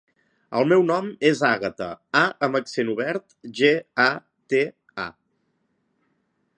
El meu nom és Àgata: a amb accent obert, ge, a, te, a.